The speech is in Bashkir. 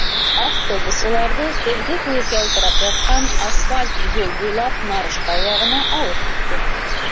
Автобус уларҙы көҙгө кеүек ялтырап ятҡан асфальт юл буйлап Нарыштау яғына алып китте.